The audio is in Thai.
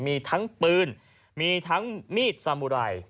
มีทั้งปืนมีทั้งมีดสามุไร